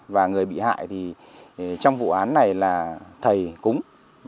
và người bị hại thì trong vụ án này là thầy cúng